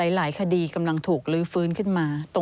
หลายคดีกำลังถูกลื้อฟื้นขึ้นมา